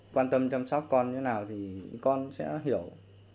quan tâm chăm sóc con như thế nào thì con sẽ hiểu